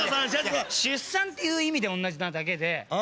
出産っていう意味で同じなだけで。